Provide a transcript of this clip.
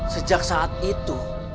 sejak saat itu